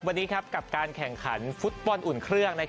วันนี้กับการแข่งขันฟุตบอลอุ่นเครื่อง